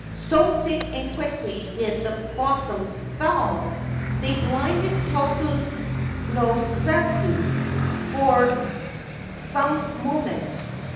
So thick and quickly did the blossoms fall, they blinded Tokunosuke for some moments.